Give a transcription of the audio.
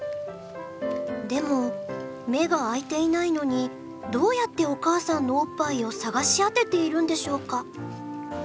でも目が開いていないのにどうやってお母さんのおっぱいを探し当てているんでしょうか？